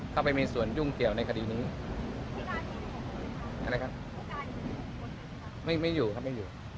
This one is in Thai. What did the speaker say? ไปมีส่วนยุ่งเกี่ยวในคดีนี้อะไรครับไม่อยู่ครับไม่อยู่